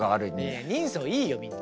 いや人相いいよみんな。